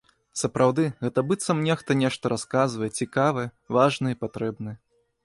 Сапраўды, гэта быццам нехта нешта расказвае, цікавае, важнае і патрэбнае.